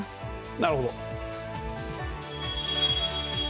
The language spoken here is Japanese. なるほど。